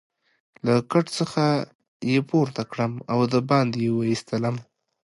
له کټ څخه يې پورته کړم او دباندې يې وایستلم.